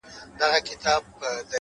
پوه انسان د پوښتنې له ارزښته خبر وي,